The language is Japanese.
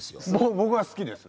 僕は好きです。